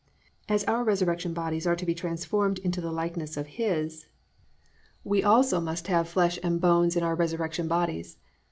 "+ As our resurrection bodies are to be transformed into the likeness of His, we also must have "flesh and bones" in our resurrection bodies.